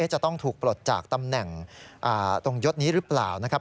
จะต้องถูกปลดจากตำแหน่งตรงยศนี้หรือเปล่านะครับ